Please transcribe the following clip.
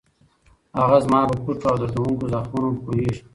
هغه زما په پټو او دردوونکو زخمونو پوهېږي.